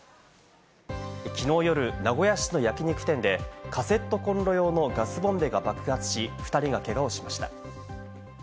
きのう夜、名古屋市の焼き肉店でカセットコンロ用のガスボンベが爆発し、２人がけがをしました。